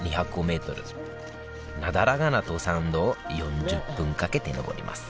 なだらかな登山道を４０分かけて登ります